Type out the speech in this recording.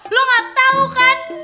lo gak tau kan